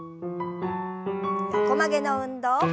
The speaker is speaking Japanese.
横曲げの運動。